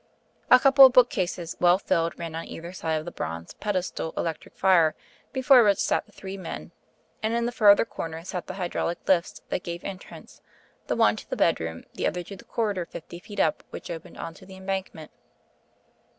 A couple of book cases well filled ran on either side of the bronze pedestal electric fire before which sat the three men; and in the further corners stood the hydraulic lifts that gave entrance, the one to the bedroom, the other to the corridor fifty feet up which opened on to the Embankment.